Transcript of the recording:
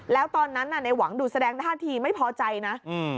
แล้วตอนนั้นน่ะในหวังดูแสดงท่าทีไม่พอใจนะ